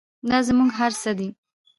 دا زموږ هر څه دی؟